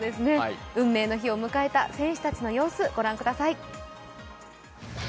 運命の日を迎えた選手たちの様子、ご覧ください。